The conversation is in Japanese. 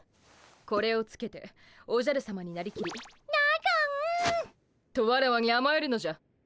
これをつけておじゃるさまになりきり「なごん」とワラワにあまえるのじゃ。